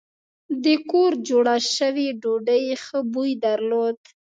د کور جوړه شوې ډوډۍ ښه بوی درلود.